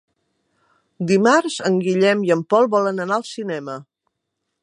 Dimarts en Guillem i en Pol volen anar al cinema.